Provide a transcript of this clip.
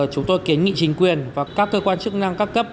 chúng tôi kiến nghị chính quyền và các cơ quan chức năng các cấp